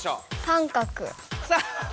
三角。